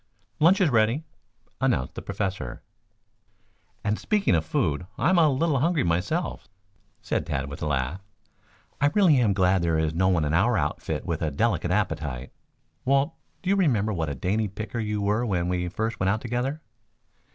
"Lunch is ready," announced the Professor. "And speaking of food, I'm a little hungry myself," said Tad with a laugh. "I really am glad there is no one in our outfit with a delicate appetite. Walt, do you remember what a dainty picker you were when we first went out together?"